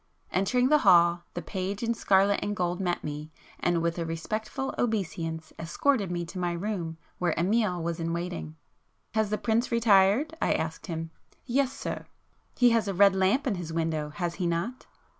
Entering the hall, the page [p 259] in scarlet and gold met me, and with a respectful obeisance, escorted me to my room where Amiel was in waiting. "Has the prince retired?" I asked him. "Yes, sir." "He has a red lamp in his window has he not?"